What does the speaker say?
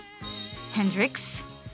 ヘンドリックス。